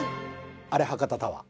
あれ博多タワー。